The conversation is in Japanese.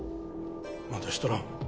まだしとらん